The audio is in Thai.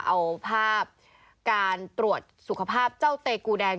เอาภาพการตรวจสุขภาพเจ้าเตกูแดง